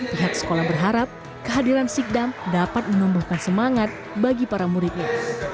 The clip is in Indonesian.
pihak sekolah berharap kehadiran sikdam dapat menumbuhkan semangat bagi para muridnya